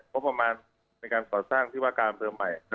ก็ประมาณมีการก่อสร้างที่ประการเติมใหม่